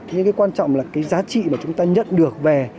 nhưng cái quan trọng là cái giá trị mà chúng ta nhận được về